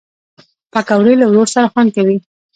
پکورې له ورور سره خوند کوي